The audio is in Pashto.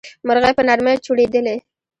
مرغۍ په نرمۍ چوڼيدلې.